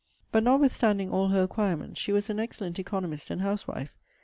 But, notwithstanding all her acquirements, she was an excellent ECONOMIST and HOUSEWIFE.